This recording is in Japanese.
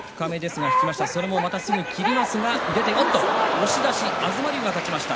押し出し、東龍が勝ちました。